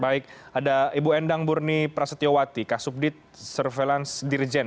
baik ada ibu endang murni prasetyowati kasubdit surveillance dirjen